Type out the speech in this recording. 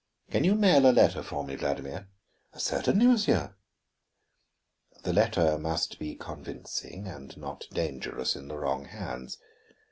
"You can mail a letter for me, Vladimir?" "Certainly, monsieur." The letter must be convincing, and not dangerous in the wrong hands.